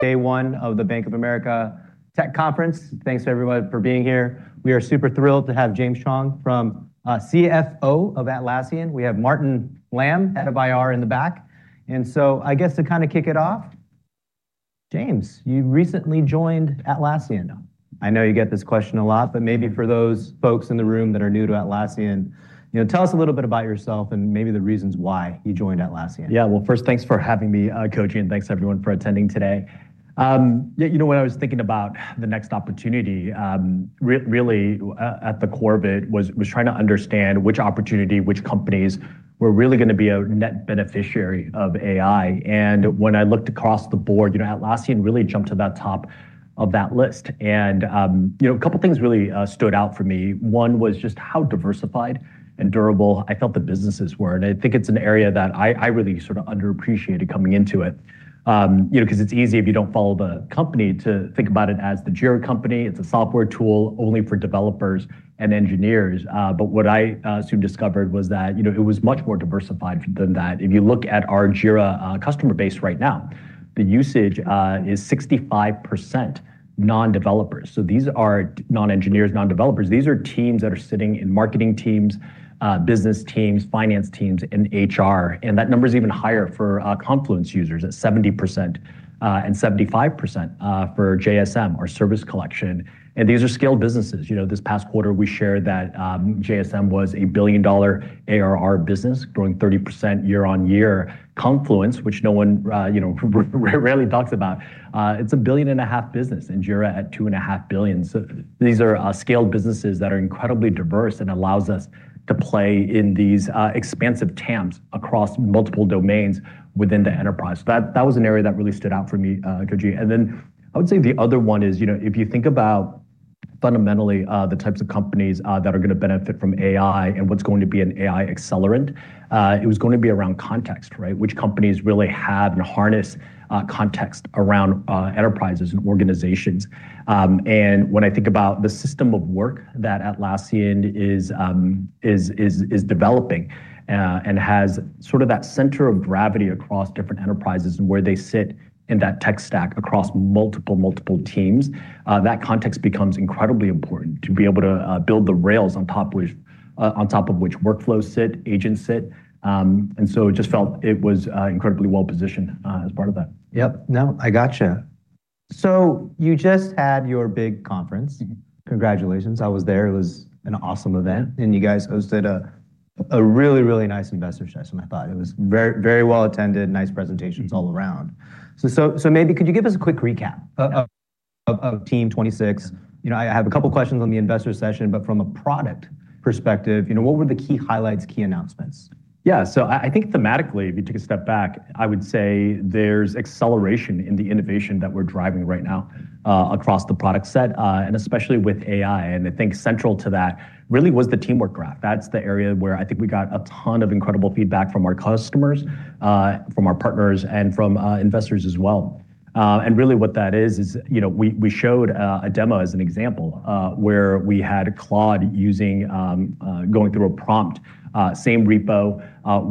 Day one of the Bank of America Tech Conference. Thanks, everyone, for being here. We are super thrilled to have James Chuong from CFO of Atlassian. We have Martin Lam, head of IR in the back. So I guess to kind of kick it off, James, you recently joined Atlassian. I know you get this question a lot, but maybe for those folks in the room that are new to Atlassian, tell us a little bit about yourself and maybe the reasons why you joined Atlassian. Well, first, thanks for having me, Koji, thanks everyone for attending today. When I was thinking about the next opportunity, really at the core of it, was trying to understand which opportunity, which companies, were really going to be a net beneficiary of AI. When I looked across the board, Atlassian really jumped to that top of that list. A couple of things really stood out for me. One was just how diversified and durable I felt the businesses were. I think it's an area that I really sort of underappreciated coming into it. Because it's easy if you don't follow the company to think about it as the Jira company. It's a software tool only for developers and engineers. What I soon discovered was that it was much more diversified than that. If you look at our Jira customer base right now, the usage is 65% non-developers. These are non-engineers, non-developers. These are teams that are sitting in marketing teams, business teams, finance teams, and HR. That number is even higher for Confluence users at 70%, and 75% for JSM, our Service Collection. These are scaled businesses. This past quarter, we shared that JSM was a $1 billion ARR business, growing 30% year-on-year. Confluence, which no one rarely talks about, it's a $1.5 billion business, and Jira at $2.5 billion. These are scaled businesses that are incredibly diverse and allows us to play in these expansive TAMs across multiple domains within the enterprise. That was an area that really stood out for me, Koji. I would say the other one is, if you think about fundamentally the types of companies that are going to benefit from AI and what's going to be an AI accelerant, it was going to be around context, right? Which companies really had and harness context around enterprises and organizations. When I think about the system of work that Atlassian is developing and has sort of that center of gravity across different enterprises and where they sit in that tech stack across multiple teams, that context becomes incredibly important to be able to build the rails on top of which workflows sit, agents sit. It just felt it was incredibly well-positioned as part of that. Yep. No, I got you. You just had your big conference. Congratulations. I was there. It was an awesome event. You guys hosted a really nice investor session, I thought. It was very well attended, nice presentations all around. Maybe could you give us a quick recap of Team 2026? I have a couple questions on the investor session, from a product perspective, what were the key highlights, key announcements? I think thematically, if you take a step back, I would say there's acceleration in the innovation that we're driving right now across the product set, and especially with AI. I think central to that really was the Teamwork Graph. That's the area where I think we got a ton of incredible feedback from our customers, from our partners, and from investors as well. Really what that is, we showed a demo as an example, where we had Claude going through a prompt, same repo,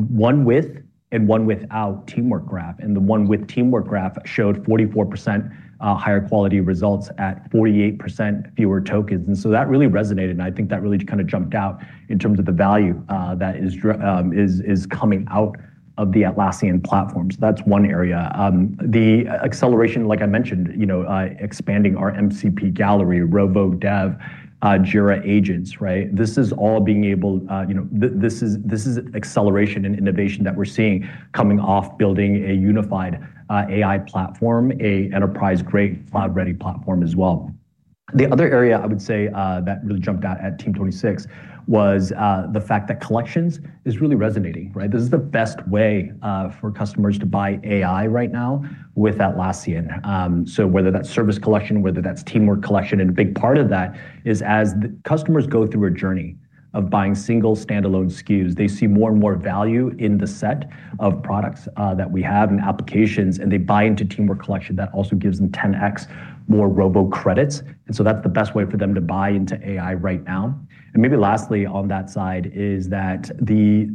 one with and one without Teamwork Graph. The one with Teamwork Graph showed 44% higher quality results at 48% fewer tokens. That really resonated, and I think that really kind of jumped out in terms of the value that is coming out of the Atlassian platforms. That's one area. The acceleration, like I mentioned, expanding our MCP Gallery, Rovo Dev, Jira agents, right? This is acceleration and innovation that we're seeing coming off building a unified AI platform, a enterprise-grade cloud-ready platform as well. The other area I would say that really jumped out at Team '26 was the fact that Collections is really resonating, right? This is the best way for customers to buy AI right now with Atlassian. Whether that's Service Collection, whether that's Teamwork Collection, and a big part of that is as the customers go through a journey of buying single standalone SKUs, they see more and more value in the set of products that we have and applications, and they buy into Teamwork Collection. That also gives them 10x more Rovo credits. That's the best way for them to buy into AI right now. Maybe lastly on that side is that the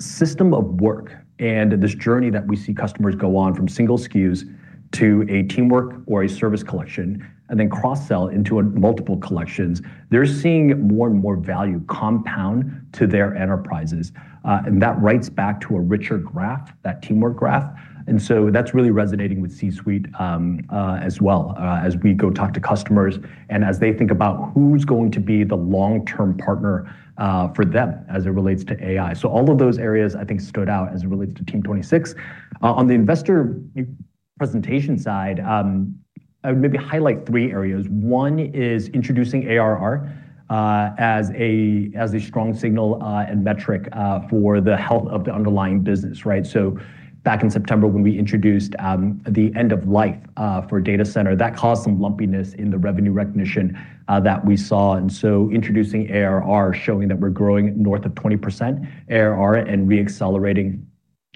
system of work and this journey that we see customers go on from single SKUs to a Teamwork Collection or a Service Collection, and then cross-sell into multiple collections. They're seeing more and more value compound to their enterprises. That writes back to a richer graph, that Teamwork Graph. That's really resonating with C-suite as well, as we go talk to customers and as they think about who's going to be the long-term partner for them as it relates to AI. All of those areas I think stood out as it relates to Team 2026. On the investor presentation side, I would maybe highlight three areas. One is introducing ARR as a strong signal and metric for the health of the underlying business, right? Back in September, when we introduced the end of life for data center, that caused some lumpiness in the revenue recognition that we saw. Introducing ARR, showing that we're growing north of 20% ARR and re-accelerating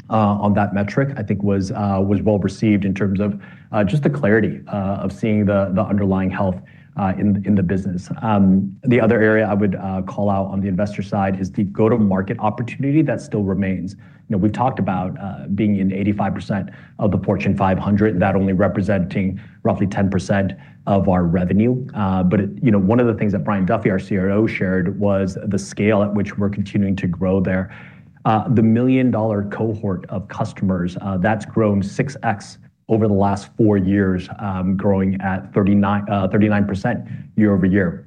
on that metric, I think was well received in terms of just the clarity of seeing the underlying health in the business. The other area I would call out on the investor side is the go-to-market opportunity that still remains. We've talked about being in 85% of the Fortune 500, that only representing roughly 10% of our revenue. One of the things that Brian Duffy, our CRO, shared was the scale at which we're continuing to grow there. The million-dollar cohort of customers, that's grown 6x over the last four years, growing at 39% year-over-year.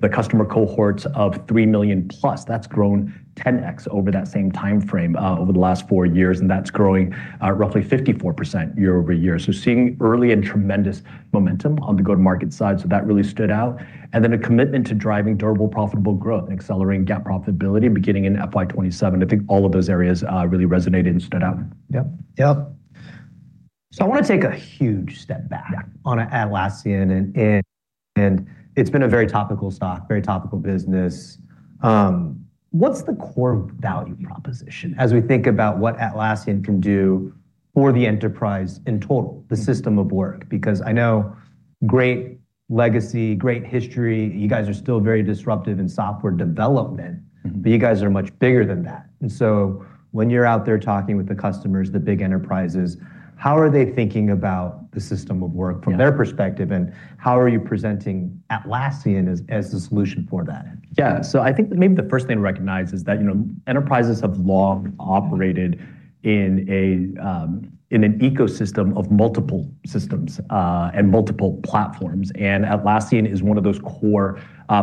The customer cohorts of 3 million-plus, that's grown 10x over that same timeframe over the last four years, and that's growing at roughly 54% year-over-year. Seeing early and tremendous momentum on the go-to-market side, so that really stood out. A commitment to driving durable, profitable growth and accelerating GAAP profitability beginning in FY 2027. I think all of those areas really resonated and stood out. Yep. I want to take a huge step back. Yeah. On Atlassian. It's been a very topical stock, very topical business. What's the core value proposition as we think about what Atlassian can do for the enterprise in total, the system of work? I know great legacy, great history. You guys are still very disruptive in software development, but you guys are much bigger than that. When you're out there talking with the customers, the big enterprises, how are they thinking about the system of work from their perspective, and how are you presenting Atlassian as the solution for that? Yeah. I think maybe the first thing to recognize is that enterprises have long operated in an ecosystem of multiple systems and multiple platforms. Atlassian is one of those core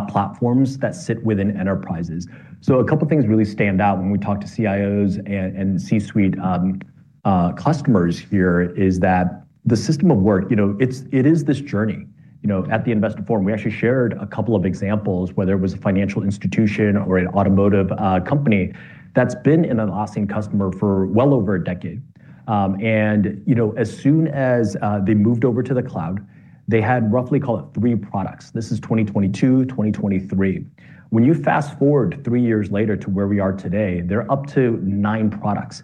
platforms that sit within enterprises. A couple things really stand out when we talk to CIOs and C-suite customers here is that the system of work, it is this journey. At the investor forum, we actually shared a couple of examples, whether it was a financial institution or an automotive company that's been an Atlassian customer for well over a decade. As soon as they moved over to the cloud, they had roughly, call it three products. This is 2022, 2023. When you fast-forward three years later to where we are today, they're up to nine products.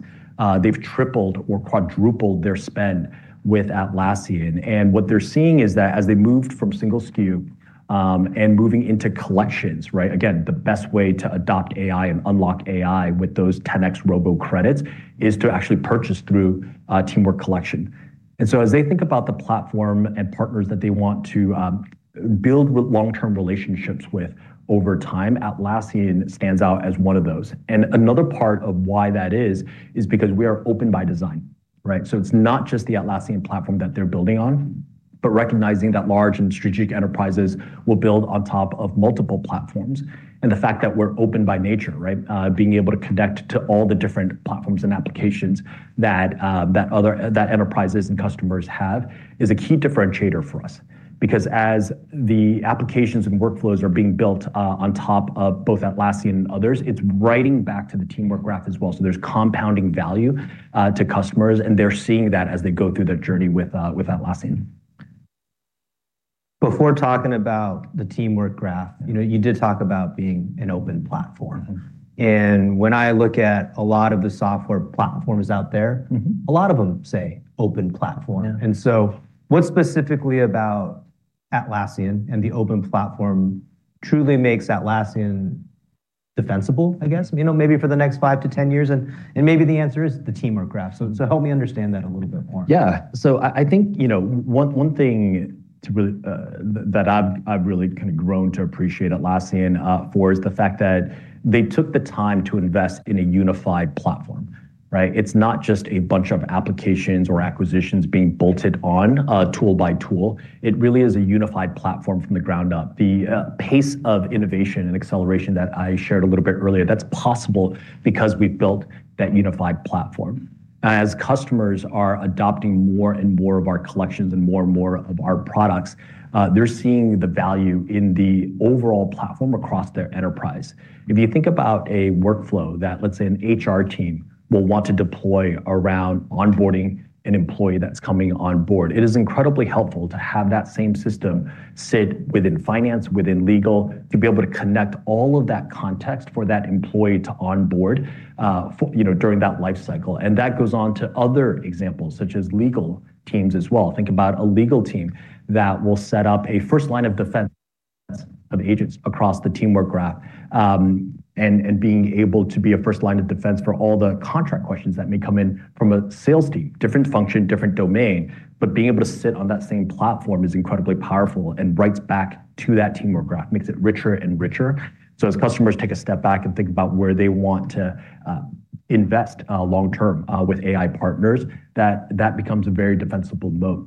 They've tripled or quadrupled their spend with Atlassian. What they're seeing is that as they moved from single SKU and moving into collections, again, the best way to adopt AI and unlock AI with those 10x Rovo credits is to actually purchase through Teamwork Collection. As they think about the platform and partners that they want to build long-term relationships with over time, Atlassian stands out as one of those. Another part of why that is because we are open by design. It's not just the Atlassian platform that they're building on, but recognizing that large and strategic enterprises will build on top of multiple platforms, and the fact that we're open by nature. Being able to connect to all the different platforms and applications that enterprises and customers have is a key differentiator for us. As the applications and workflows are being built on top of both Atlassian and others, it's writing back to the Teamwork Graph as well. There's compounding value to customers, and they're seeing that as they go through their journey with Atlassian. Before talking about the Teamwork Graph, you did talk about being an open platform. When I look at a lot of the software platforms out there. A lot of them say open platform. Yeah. What specifically about Atlassian and the open platform truly makes Atlassian defensible, I guess, maybe for the next five to 10 years? Maybe the answer is the Teamwork Graph. Help me understand that a little bit more. I think one thing that I've really grown to appreciate Atlassian for is the fact that they took the time to invest in a unified platform. It's not just a bunch of applications or acquisitions being bolted on tool by tool. It really is a unified platform from the ground up. The pace of innovation and acceleration that I shared a little bit earlier, that's possible because we've built that unified platform. As customers are adopting more and more of our collections and more and more of our products, they're seeing the value in the overall platform across their enterprise. If you think about a workflow that, let's say an HR team will want to deploy around onboarding an employee that's coming on board, it is incredibly helpful to have that same system sit within finance, within legal, to be able to connect all of that context for that employee to onboard during that life cycle. That goes on to other examples, such as legal teams as well. Think about a legal team that will set up a first line of defense of agents across the Teamwork Graph, and being able to be a first line of defense for all the contract questions that may come in from a sales team. Different function, different domain, but being able to sit on that same platform is incredibly powerful and writes back to that Teamwork Graph, makes it richer and richer. As customers take a step back and think about where they want to invest long term with AI partners, that becomes a very defensible moat.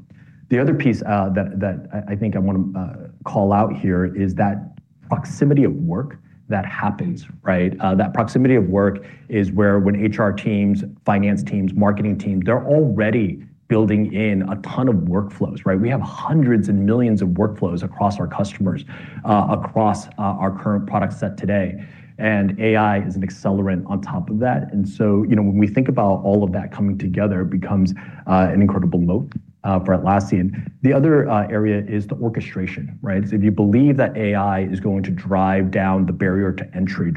The other piece that I think I want to call out here is that proximity of work that happens. That proximity of work is where when HR teams, finance teams, marketing teams, they're already building in a ton of workflows. We have hundreds of millions of workflows across our customers, across our current product set today, and AI is an accelerant on top of that. When we think about all of that coming together, it becomes an incredible moat for Atlassian. The other area is the orchestration. If you believe that AI is going to drive down the barrier to entry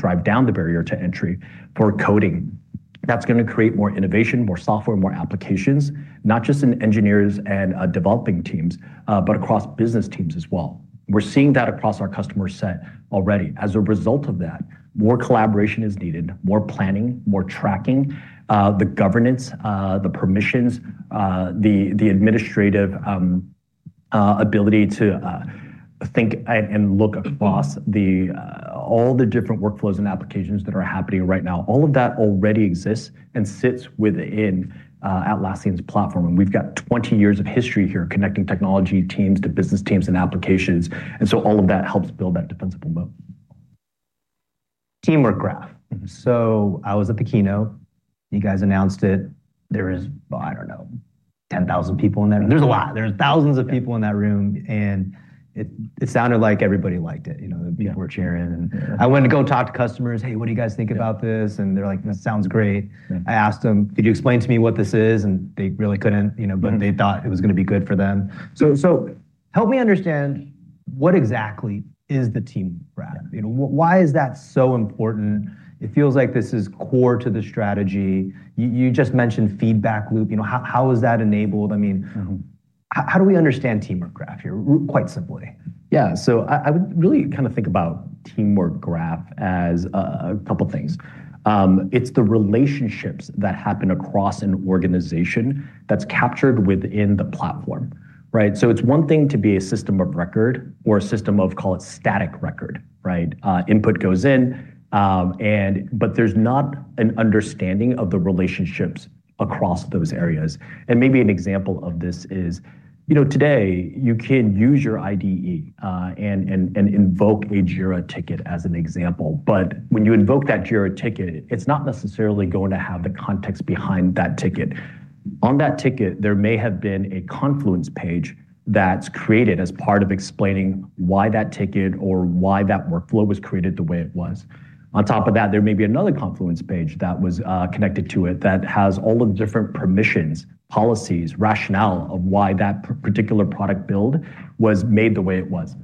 for coding. That's going to create more innovation, more software, more applications, not just in engineers and developing teams, but across business teams as well. We're seeing that across our customer set already. As a result of that, more collaboration is needed, more planning, more tracking, the governance, the permissions, the administrative ability to think and look across all the different workflows and applications that are happening right now. All of that already exists and sits within Atlassian's platform. We've got 20 years of history here connecting technology teams to business teams and applications. All of that helps build that defensible moat. Teamwork Graph. I was at the keynote, you guys announced it. There was, I don't know, 10,000 people in there. There's a lot. There's thousands of people in that room, and it sounded like everybody liked it. People were cheering. I went to go talk to customers, "Hey, what do you guys think about this?" They're like, "That sounds great. Yeah. I asked them, "Could you explain to me what this is?" They really couldn't, but they thought it was going to be good for them. Help me understand what exactly is the Teamwork Graph? Yeah. Why is that so important? It feels like this is core to the strategy. You just mentioned feedback loop. How is that enabled? How do we understand Teamwork Graph here, quite simply? I would really think about Teamwork Graph as a couple of things. It's the relationships that happen across an organization that's captured within the platform, right? It's one thing to be a system of record or a system of call it static record, right? Input goes in, but there's not an understanding of the relationships across those areas. Maybe an example of this is, today you can use your IDE, and invoke a Jira ticket as an example. When you invoke that Jira ticket, it's not necessarily going to have the context behind that ticket. On that ticket, there may have been a Confluence page that's created as part of explaining why that ticket or why that workflow was created the way it was. On top of that, there may be another Confluence page that was connected to it that has all the different permissions, policies, rationale of why that particular product build was made the way it was.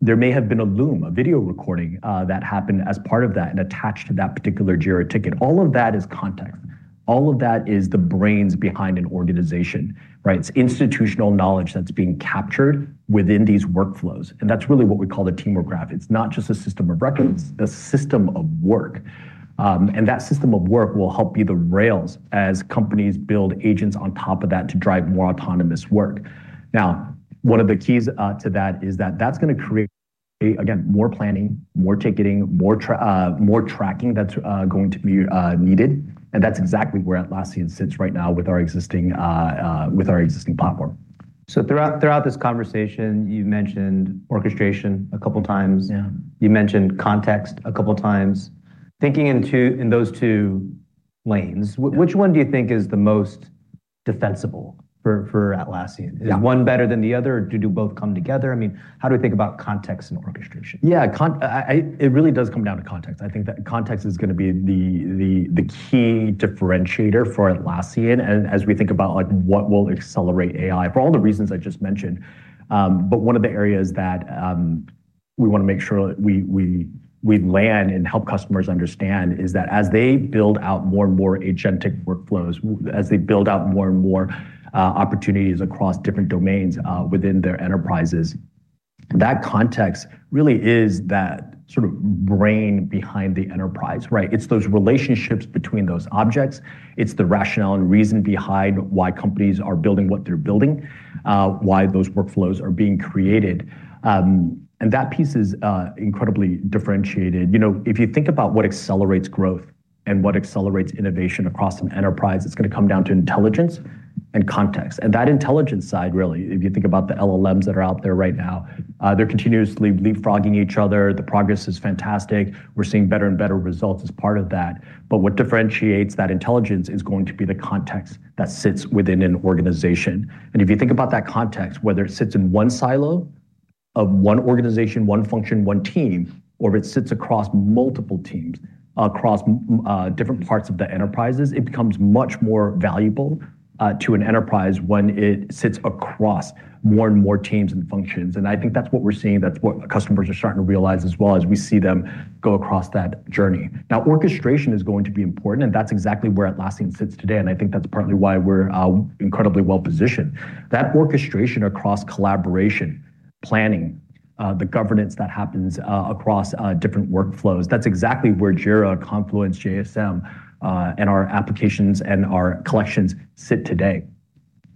There may have been a Loom, a video recording, that happened as part of that and attached to that particular Jira ticket. All of that is context. All of that is the brains behind an organization, right? It's institutional knowledge that's being captured within these workflows, and that's really what we call the Teamwork Graph. It's not just a system of records, it's a system of work. That system of work will help be the rails as companies build agents on top of that to drive more autonomous work. One of the keys to that is that's going to create, again, more planning, more ticketing, more tracking that's going to be needed, and that's exactly where Atlassian sits right now with our existing platform. Throughout this conversation, you've mentioned orchestration a couple of times. Yeah. You mentioned context a couple of times. Yeah. Which one do you think is the most defensible for Atlassian? Yeah. Is one better than the other, or do both come together? How do we think about context and orchestration? Yeah. It really does come down to context. I think that context is going to be the key differentiator for Atlassian and as we think about what will accelerate AI, for all the reasons I just mentioned. One of the areas that we want to make sure we land and help customers understand is that as they build out more and more agentic workflows, as they build out more and more opportunities across different domains within their enterprises, that context really is that brain behind the enterprise, right? It's those relationships between those objects. It's the rationale and reason behind why companies are building what they're building, why those workflows are being created. That piece is incredibly differentiated. If you think about what accelerates growth and what accelerates innovation across an enterprise, it's going to come down to intelligence and context. That intelligence side, really, if you think about the LLMs that are out there right now, they're continuously leapfrogging each other. The progress is fantastic. We're seeing better and better results as part of that. What differentiates that intelligence is going to be the context that sits within an organization. If you think about that context, whether it sits in one silo of one organization, one function, one team, or if it sits across multiple teams, across different parts of the enterprises, it becomes much more valuable to an enterprise when it sits across more and more teams and functions. I think that's what we're seeing. That's what customers are starting to realize as well as we see them go across that journey. Now, orchestration is going to be important, and that's exactly where Atlassian sits today, and I think that's partly why we're incredibly well-positioned. That orchestration across collaboration, planning, the governance that happens across different workflows, that's exactly where Jira, Confluence, JSM, and our applications and our collections sit today.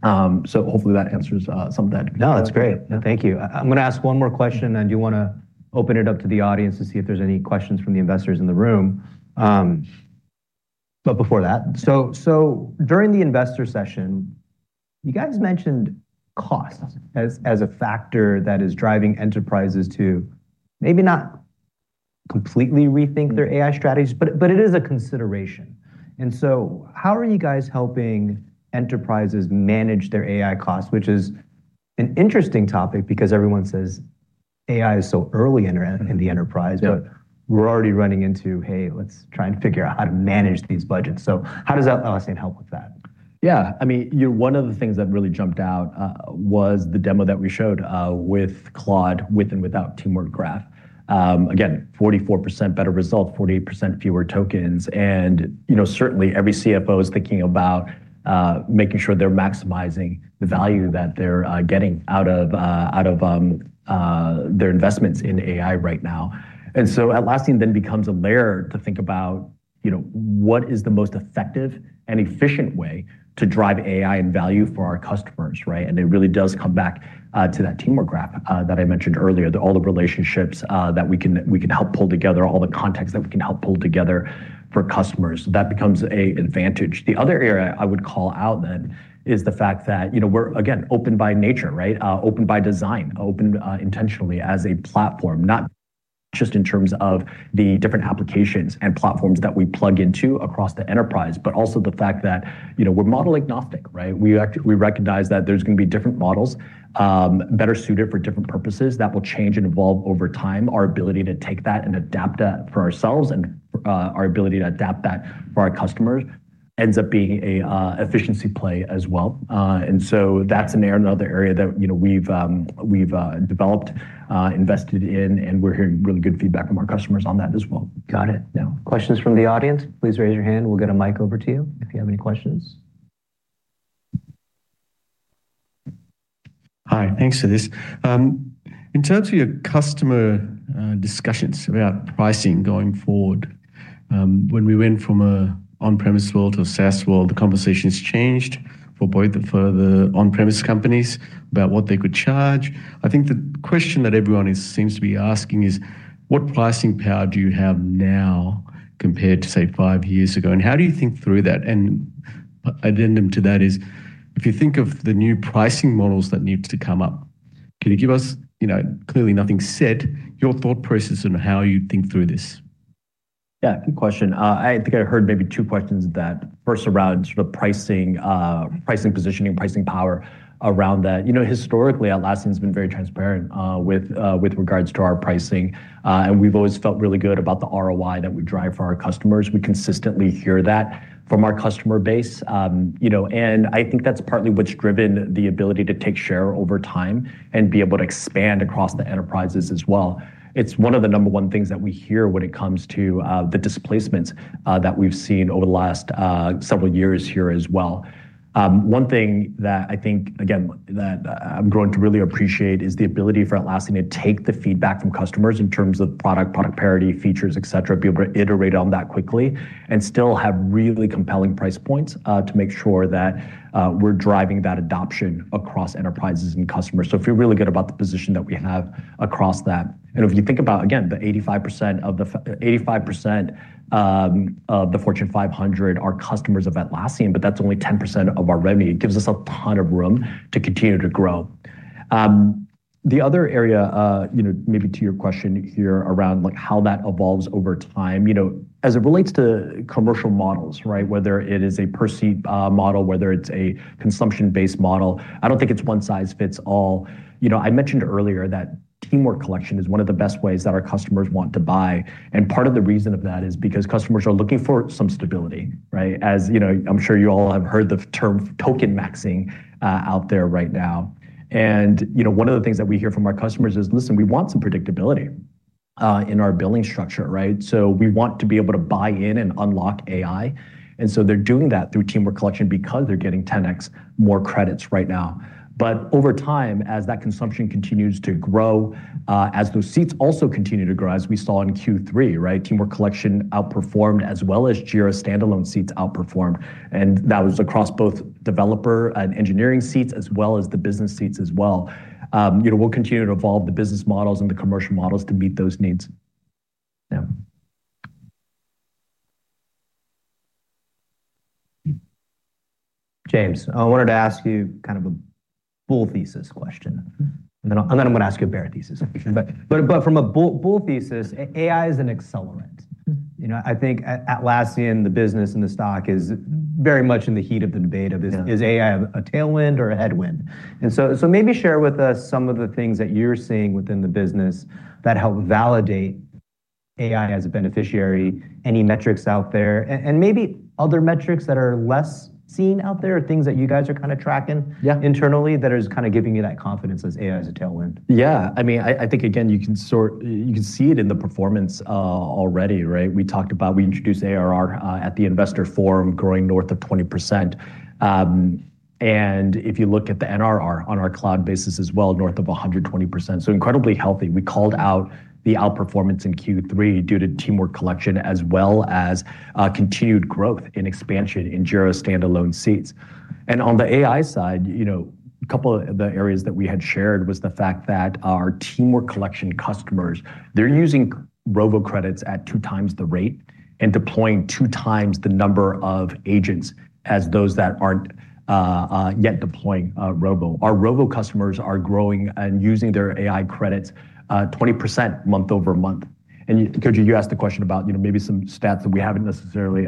Hopefully that answers some of that. No, that's great. Yeah. Thank you. I'm going to ask one more question, and I do want to open it up to the audience to see if there's any questions from the investors in the room. Before that, during the investor session, you guys mentioned cost as a factor that is driving enterprises to maybe not completely rethink their AI strategies. It is a consideration. How are you guys helping enterprises manage their AI costs? Which is an interesting topic because everyone says AI is so early in the enterprise. Yeah. We're already running into, hey, let's try and figure out how to manage these budgets. How does Atlassian help with that? Yeah. One of the things that really jumped out was the demo that we showed with Claude, with and without Teamwork Graph. Again, 44% better result, 48% fewer tokens. Certainly every CFO is thinking about making sure they're maximizing the value that they're getting out of their investments in AI right now. Atlassian then becomes a layer to think about what is the most effective and efficient way to drive AI and value for our customers, right? It really does come back to that Teamwork Graph that I mentioned earlier. That all the relationships that we can help pull together, all the context that we can help pull together for customers, that becomes an advantage. The other area I would call out then is the fact that we're, again, open by nature, right? Open by design. Open intentionally as a platform, not just in terms of the different applications and platforms that we plug into across the enterprise, but also the fact that we're model agnostic, right? We recognize that there's going to be different models better suited for different purposes that will change and evolve over time. Our ability to take that and adapt that for ourselves and our ability to adapt that for our customers ends up being an efficiency play as well. That's another area that we've developed, invested in, and we're hearing really good feedback from our customers on that as well. Got it. Now, questions from the audience. Please raise your hand, we'll get a mic over to you if you have any questions. Hi, thanks for this. In terms of your customer discussions about pricing going forward, when we went from a on-premise world to a SaaS world, the conversation's changed for both, for the on-premise companies about what they could charge. I think the question that everyone seems to be asking is what pricing power do you have now compared to, say, five years ago, and how do you think through that? Addendum to that is, if you think of the new pricing models that need to come up, can you give us, clearly nothing's set, your thought process on how you think through this? Yeah, good question. I think I heard maybe two questions that were sort of around sort of pricing positioning, pricing power around that. Historically, Atlassian's been very transparent with regards to our pricing. We've always felt really good about the ROI that we drive for our customers. We consistently hear that from our customer base. I think that's partly what's driven the ability to take share over time and be able to expand across the enterprises as well. It's one of the number one things that we hear when it comes to the displacements that we've seen over the last several years here as well. One thing that I think, again, that I'm going to really appreciate is the ability for Atlassian to take the feedback from customers in terms of product parity, features, et cetera, be able to iterate on that quickly, and still have really compelling price points to make sure that we're driving that adoption across enterprises and customers. I feel really good about the position that we have across that. If you think about, again, the 85% of the Fortune 500 are customers of Atlassian, but that's only 10% of our revenue. It gives us a ton of room to continue to grow. The other area, maybe to your question here around how that evolves over time as it relates to commercial models, right? Whether it is a per seat model, whether it's a consumption-based model, I don't think it's one size fits all. I mentioned earlier that Teamwork Collection is one of the best ways that our customers want to buy, and part of the reason of that is because customers are looking for some stability, right? As I'm sure you all have heard the term token maxing out there right now. One of the things that we hear from our customers is, "Listen, we want some predictability in our billing structure," right? We want to be able to buy in and unlock AI. They're doing that through Teamwork Collection because they're getting 10x more credits right now. Over time, as that consumption continues to grow, as those seats also continue to grow, as we saw in Q3, right? Teamwork Collection outperformed as well as Jira standalone seats outperformed, and that was across both developer and engineering seats as well as the business seats as well. We'll continue to evolve the business models and the commercial models to meet those needs. Yeah. James, I wanted to ask you kind of a bull thesis question, and then I'm going to ask you a bear thesis question. From a bull thesis, AI is an accelerant. I think Atlassian, the business, and the stock is very much in the heat of the debate. Yeah. Is AI a tailwind or a headwind? Maybe share with us some of the things that you're seeing within the business that help validate AI as a beneficiary, any metrics out there, and maybe other metrics that are less seen out there, or things that you guys are kind of tracking? Yeah. Internally that are kind of giving you that confidence as AI as a tailwind. Yeah. I think, again, you can see it in the performance already, right? We talked about, we introduced ARR at the investor forum growing north of 20%. If you look at the NRR on our cloud basis as well, north of 120%. So incredibly healthy. We called out the outperformance in Q3 due to Teamwork Collection as well as continued growth in expansion in Jira standalone seats. On the AI side, a couple of the areas that we had shared was the fact that our Teamwork Collection customers, they're using Rovo credits at two times the rate and deploying two times the number of agents as those that aren't yet deploying Rovo. Our Rovo customers are growing and using their AI credits 20% month-over-month. Koji, you asked the question about maybe some stats that we haven't necessarily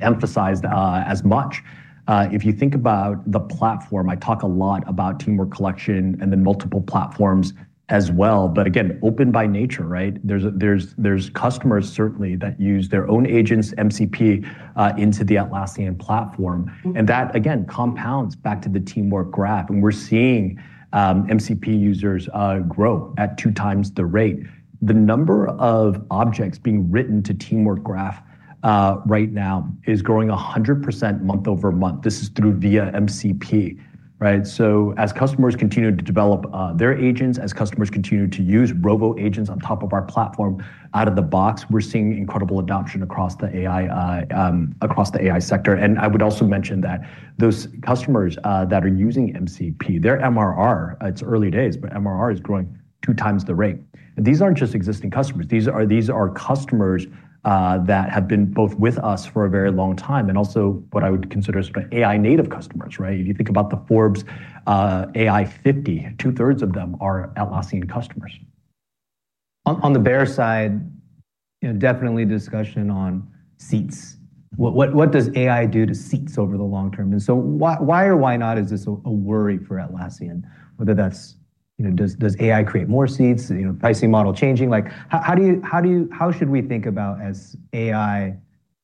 emphasized as much. If you think about the platform, I talk a lot about Teamwork Collection and then multiple platforms as well, again, open by nature, right? There's customers certainly that use their own agents, MCP, into the Atlassian platform. That, again, compounds back to the Teamwork Graph. We're seeing MCP users grow at two times the rate. The number of objects being written to Teamwork Graph right now is growing 100% month-over-month. This is through via MCP, right? As customers continue to develop their agents, as customers continue to use Rovo on top of our platform out of the box, we're seeing incredible adoption across the AI sector. I would also mention that those customers that are using MCP, their MRR, it's early days, but MRR is growing two times the rate. These aren't just existing customers. These are customers that have been both with us for a very long time, and also what I would consider sort of AI native customers, right? If you think about the Forbes AI 50, 2/3 of them are Atlassian customers. On the bear side, definitely discussion on seats. What does AI do to seats over the long term? Why or why not is this a worry for Atlassian? Whether does AI create more seats? Pricing model changing. How should we think about as AI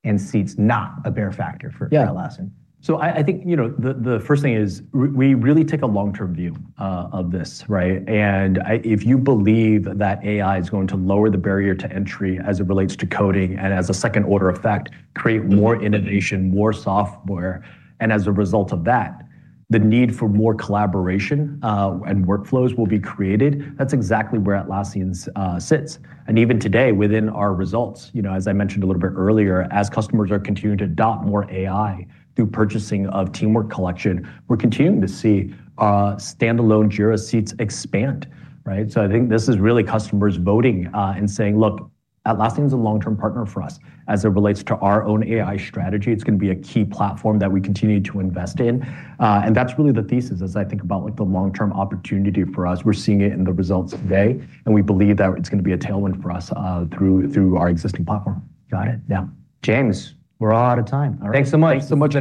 and seats not a bear factor for Atlassian? I think the first thing is we really take a long-term view of this, right? If you believe that AI is going to lower the barrier to entry as it relates to coding and as a second order effect, create more innovation, more software, and as a result of that, the need for more collaboration and workflows will be created. That's exactly where Atlassian sits. Even today within our results, as I mentioned a little bit earlier, as customers are continuing to adopt more AI through purchasing of Teamwork Collection, we're continuing to see standalone Jira seats expand. Right? I think this is really customers voting and saying, "Look, Atlassian's a long-term partner for us as it relates to our own AI strategy. It's going to be a key platform that we continue to invest in. That's really the thesis as I think about the long-term opportunity for us. We're seeing it in the results today, and we believe that it's going to be a tailwind for us through our existing platform. Got it. Yeah. James, we're all out of time. All right. Thanks so much. Thanks so much, Jim.